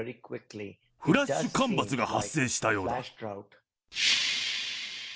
フラッシュ干ばつが発生したようだ。